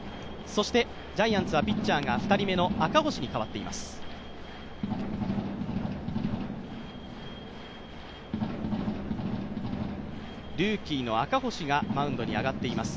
そしてジャイアンツはピッチャーが２人目の赤星に変わっています。